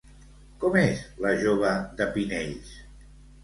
Com és la jove de Pinells?